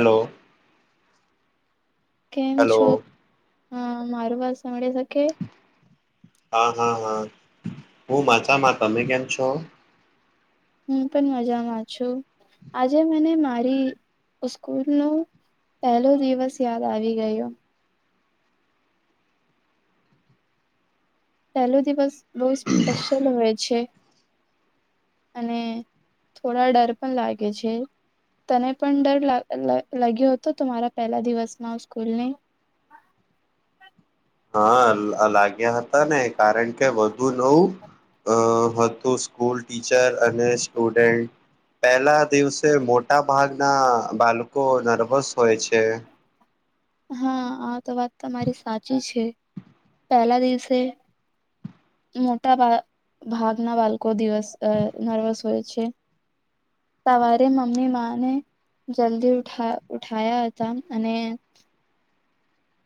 હાલો. કેમ છો? હા, મારું વાત સાભળે હા હા હા. હું મજા, તમે કેમ છો? હું પણ મજામાં છું, આજે મને મારી સ્કૂલ નો પહેલો દિવસ યાદ આવી ગયો. પેલો દિવસ બહુ સ્પેશીયલ હોય છે. અને થોડા ડર પણ લાગે છે, તને પણ ડર લા લા લાગ્યો હતો તમારા પહેલા દિવસમાં સ્કૂલની? હા લાગ્યા હતા ને કારણ કે વધુ નવું અ હતું સ્કૂલ, ટીચર અને સ્ટુડન્ટ. પેલા દિવસે મોટા ભાગના બાળકો નર્વસ હોય છે. હા આ તો વાત તમારી સાચી છે. પેલા દિવસે મોટા ભા ભાગના બાળકો દિવસ નર્વસ હોય છે. સવારે મમ્મી માને જલ્દી ઉઠા ઉઠાયા હતા અને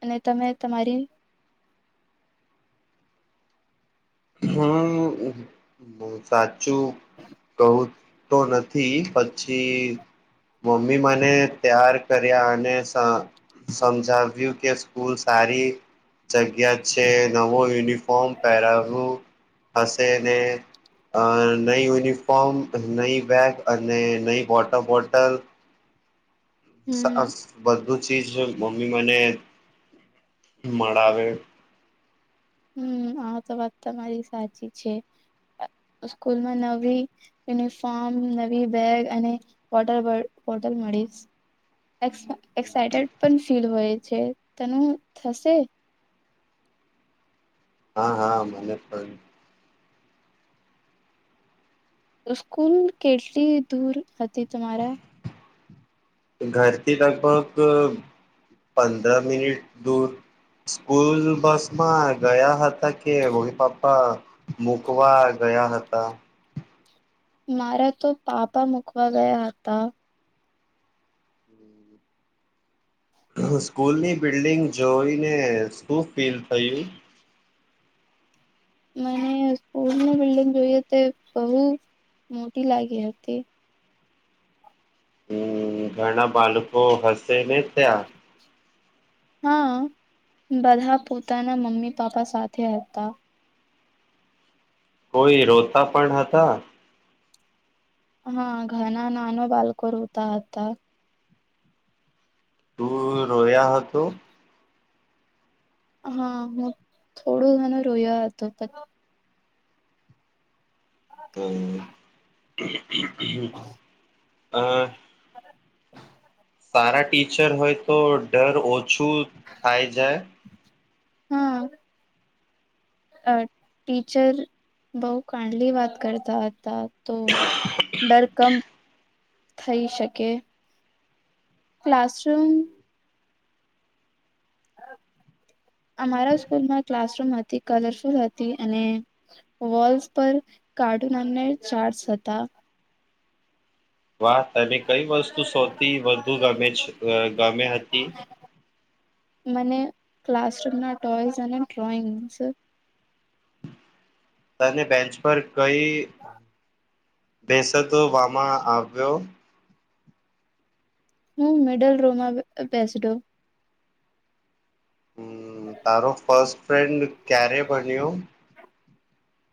અને તમે તમારી હમ્મ બો સાચ ચું બહુંત તો નથી પછી મમ્મી મને ત્યાર કર્યા અને સ સમજાવ્યું કે સ્કૂલ સારી જગ્યા છે. નવો યુનિફોર્મ પહેરાવવું. હશેને અ નઈ યુનિફોર્મ, નઈ બેગ અને નઈ વોટર બોટલ. હમ સાસ બલ રુચિ છે મમ્મી મને મળાવે હમ્મ, આ તો વાત તમારી સાચી છે અ સ્કૂલમાં નવી યુનિફોર્મ, નવી બેગ અને વોટર બો બોટલ મળીશ. એક્સાઈટેડ પણ ફીલ હોય છે તનું થશે? હા હા મને પણ. સ્કૂલ કેટલી દૂર હતી તમારા? ઘરથી લગભગ અ પંદર મિનિટ દૂર સ્કૂલ બસમાં ગયા હતા કે મમ્મી પપ્પા મુકવા ગયા હતા. મારા તો પાપા મૂકવા ગયા હતા. સ્કૂલની બિલ્ડિંગ જોઈને શું ફીલ થયું? મને સ્કૂલની બિલ્ડિંગ જોઈએ તે બહુ મોટી લાગી હતી. હમ્મ ઘણા બાળકો હસ તેને ત્યાં હા, બધા પોતાના મમ્મી પાપા સાથે હતા. કોઈ રોતા પણ હતા હા ઘણા નાનો બાળકો રોતા હતા. તું રોયા હતો? હા હું થોડું ઘણો રોયો હતો હમ્મ. હમ્મ હમ્મ. [inaudible] સારા ટીચર હોય તો ડર ઓછો.. હા ટીચર બહુ કાંડલી વાત કરતા હતા. તો ડર કમ.. થઈ શકે.. ક્લાસરૂમ અમારા સ્કૂલમાં ક્લાસરૂમ હતી કલરફુલ હતી અને વોલ્ પર કાર્ટૂન ચાર્ટ હતા. વાહ તને કઈ વસ્તુ સૌથી વધુ ગમે છે ગમે હતી. મને ક્લાસરૂમના ટોઇસ અને ડ્રોઈંગ્સ.. તને બેન્ચ પર કઈ બેસવામાં આવ્યો. હું મિડલ રૂમાં બેસડો. હમ તારો ફસ્ટ ફ્રેન્ડ ક્યારે બન્યો.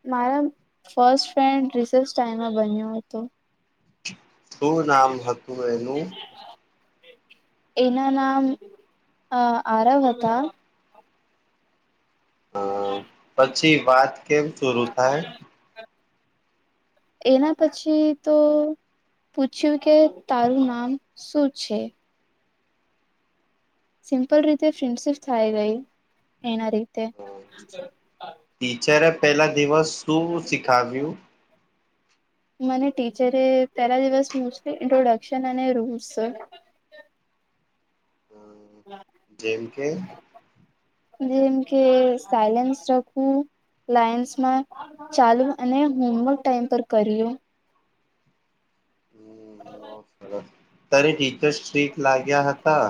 મારા ફર્સ્ટ ફ્રેન્ડ રિસેસ ટાઈમમાં બન્યો હતો. [inaudible] શું નામ હતું એનું. એના નામ આરવ હતા. અ [unintelligible] પછી વાત કેમ શરૂ થાય. એના પછી તો પૂછ્યું કે તારું નામ શું છે. સિમ્પલ રીતે ફ્રેન્ડશિપ થાય ગઈ એના રી.. તે. [inaudible] ટીચરે પેલા દિવસ શું શીખાવ્યું. મને ટીચરે પેલા દિવસ મોસ્ટલી ઇન્ટ્રોડક્શન અને રૂલ્સ જેમ કે. જેમ કે સાયલેન્સ રખવું લાઈન્સમાં ચાલુ અને હોમવર્ક ટાઈમ પર કર્યું. તું હોમવર્ક કરે. ત્યારે ઠીક. તે સ્ટીક લાગ્યા હતા.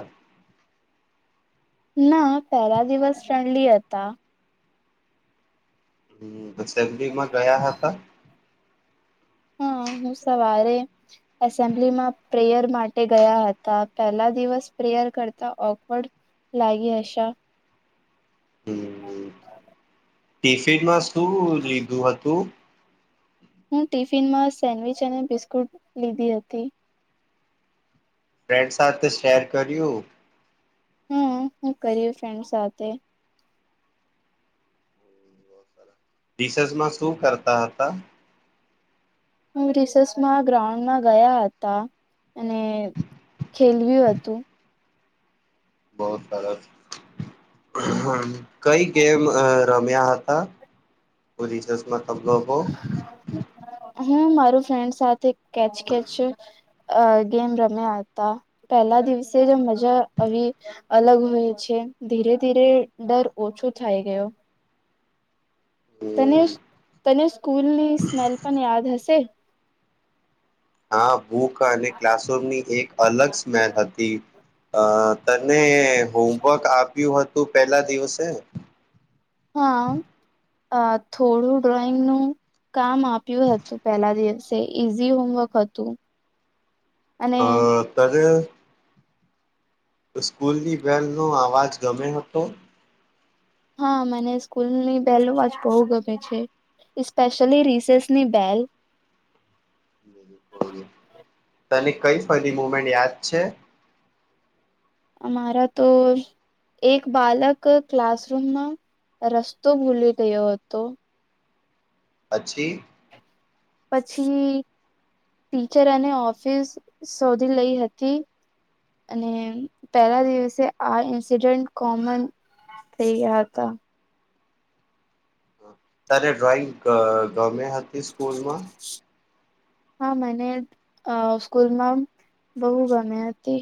ના પેલા દિવસ ફ્રેન્ડલી હતા. હમ્મ એસેમ્બલીમાં ગયા હતા. હા હું સવારે એસેમ્બલીમાં પ્રેયર માટે ગયા હતા પેલા દિવસ પ્રેયર કરતા ઓકવર્ડ લાગી હશે. [inaudible] ટીફિમાં શું લીધું હતું. હું ટિફિનમાં સેન્ડવિચ અને બિસ્કુટ લીધી હતી ફ્રેન્ડ સાથે શેર કર્યું હમ હું કરયુ ફ્રેન્ડ સાથે રીસેસમાં શું કરતા હતા હું રિસેસમાં ગ્રાઉન્ડમાં ગયા હતા અને ખેલવ્યું હતું બો સરસ કઈ ગેમ રમ્યા હતા રિસેસર્સ મા તમ લોકો હું માર ફ્રેન્ડ સાથે કેચ કેચ ગેમ રમ્યા હતા પહેલા દિવસે જ મજા આવી અલગ હોય છે ધીરે ધીરે ડર ઓછો થાય ગયો તને તને સ્કૂલની સ્મેલ પણ યાદ હશે હા બુક અને ક્લાસમની એક અલગ સ્મેલ હતી અ તને હોમવર્ક આપ્યું હતું તું પેલા દિવસે હ હા થોડું ડ્રોઈંગનું કામ આપ્યું હતું પહેલા દિવસે ઈઝી હોમવર્ક હતું અને અ તરે સ્કૂલની બેલનો અવાજ ગમયો હતો હા મને સ્કૂલની બેલો નો અવાજ બહુ ગમે છે પેશિયલી રિસેસની બેલ તને કઈ ફરી મુમેન્ટ યાદ છે? અમારા તો એક બાલક ક્લાસરૂમમાં રસ્તો ભૂલી ગયો હતો. પછી? પછી ટીચર અને ઓફિસ શોધી લઈ હતી, અને પેલા દિવસે આ ઇન્સિડન્ટ કોમન થઈ ગયા હતા. તારે ડ્રોઈંગ અહ રમેહ હતી સ્કૂલમાં હા મને અ સ્કૂલમાં બહુ ગમે હતી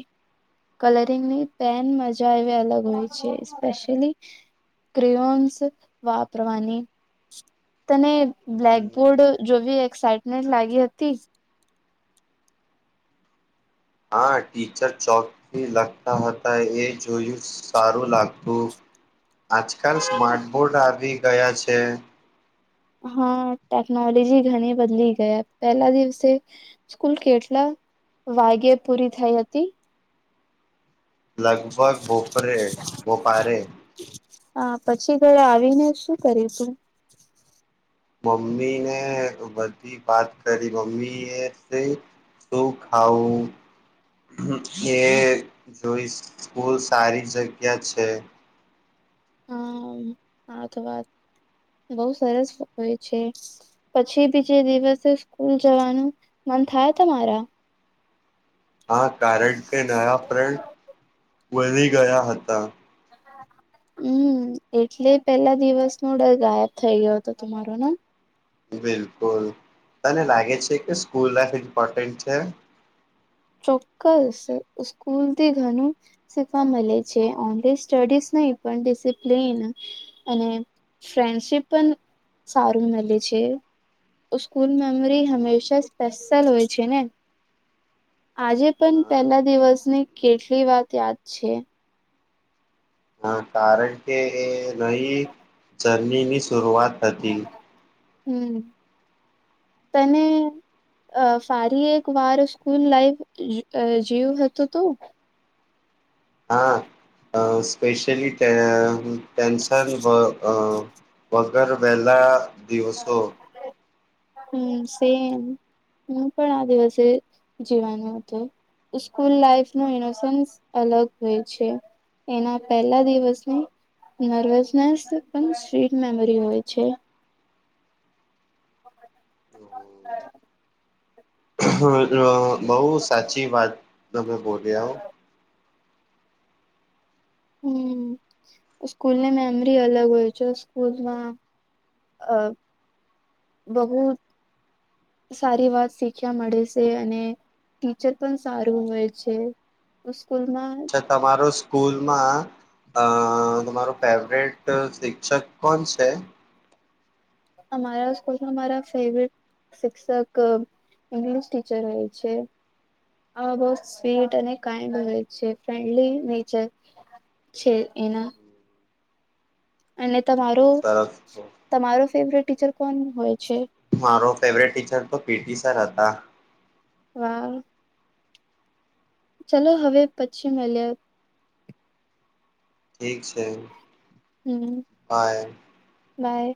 કલરિંગની પેન મજા એવી અલગ હોય છે સ્પેશિયલી ક્રિઓન્સ વાપરવાની તને બ્લેકબોર્ડ જોવી એક્સાઈટમેન્ટ લાગી હતી. હા ટીચર ચોકથી લખતા હતા એ જોયું સારું લાગતું આજકાલ સ્માર્ટ બોર્ડ આ ગયા છે હા ટેકનોલોજી ઘણી બદલી ગયા પેલા દિવસે સ્કૂલ કેટલા વાગ્યે પૂરી થઈ હતી લગભગ બોપરે બોપારે હા પછી ઘરે આવીને શું કર્યું તું મમ્મીને બધી વાત કરી મમ્મી એ શું ખાવું એ જોઈ સ્કૂલ સારી જગ્યા છે હ હા તો વાત બહુ સરસ હોય છે પછી બીજે દિવસે સ્કૂલ જવાનું મન થાય તમારા હા કારણ કે નયા ફ્રેડ બની ગયા હતા હમ્મ એટલે પેલા દિવસનો ડર ગાયબ થઇ ગયો હતો તમારો ને બિલકુલ તને લાગે છે કે સ્કૂલ લાઈફ ઇમ્પોર્ટન્ટ છે ચોક્કસ સ્કૂલથી ઘણું શીખવા મળે છે ઓનલી સ્ટડીઝ નહી પણ ડિસિપ્લીન અને ફ્રેન્ડશીપ પણ સારું મળે છે સ્કૂલ મેમરી હમેશા સ્પેશલ હોય છે ને આજે પણ હા પહેલા દિવસની કેટલી વાત યાદ છે હ કારણ કે એ નહી જર્ની ની શરૂઆત હતી હમ્મ તને અ ફરી એક વાર સ્કૂલ લાઈફ અ જવું હતું તો- હા અ સ્પેશલી તે ટેન્શન બ અ અગર વહેલા દિવસો હમ્મ સેમ હું પણ આ દિવસે જીવાનું હતું સ્કૂલ લાઈફ ન ઇનોન્સ અલગ હોય છે એના પહેલા દિવસની નર્વસને સ્ટ મેમરી હોય છે [unintelligible] બહુ સાચી વાત તમે બોલ્યા હો હમ્મ સ્કૂલની મેમરી અલગ હોય છે સ્કૂલમાં અ બહુ સારી વાત શીખ્યા મળે છે અને ટીચર પણ સારું હોય છે સ્કૂલમાં અચ્છા તમારો સ્કૂલ સ્કુલ મા અ તમારો ફેવરેટ શિક્ષક કોણ છે અમારાં સ્કૂલમા અમારા ફેવરેટ શિક્ષક ઇંગ્લિશ ટીચર હોય છે આ બ સ્વીટ અને કાઈન્ડ હોય છે ફન્ડલી નેચર છે એના અને તમારો બહુ સરસ તમારો ફેવરેટ ટીચર કોણ હોય છે મારો ફેવરેટ ટીચર તો પીટી સર હતા વાહ ચલો હવે પછી મે લ્યે ઠીક છે હમ બાય બાય